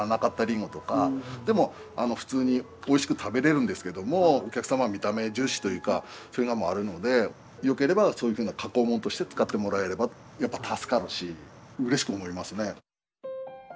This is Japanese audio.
でも普通においしく食べれるんですけどもお客様見た目重視というかそういうのもあるのでよければそういうふうな加工物として扱ってもらえればやっぱ助かるしうれしく思いますね。